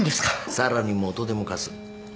さらに元手も貸す。